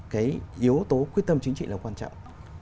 cái yếu tố quyết tâm chính trị là quan trọng